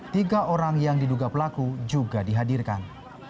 tiga orang yang diduga pelaku juga dihadirkan